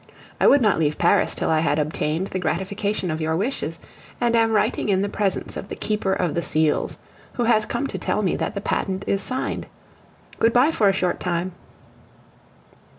I would not leave Paris till I had obtained the gratification of your wishes, and I am writing in the presence of the Keeper of the Seals, who has come to tell me that the patent is signed. Good bye for a short time!